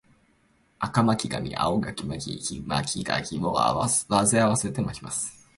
赤巻紙、青巻紙、黄巻紙を混ぜ合わせて巻きます